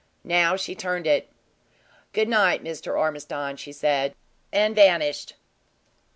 Now she turned it. "Good night, Mr. Ormiston," she said, and vanished.